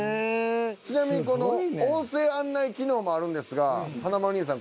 ちなみに音声案内機能もあるんですが華丸兄さん